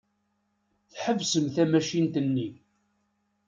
Tḥebsem tamacint-nni.